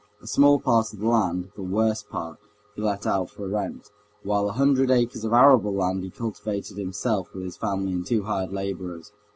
A small part of the land—the worst part—he let out for rent, while a hundred acres of arable land he cultivated himself with his family and two hired laborers.